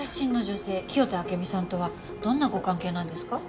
清田暁美さんとはどんなご関係なんですか？